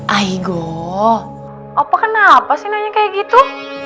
aigo apa kenapa sih nanya kayak gitu